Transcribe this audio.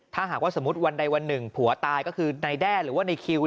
ถ้าหากว่าสมมุติวันใดวันหนึ่งผัวตายก็คือนายแด้หรือว่าในคิว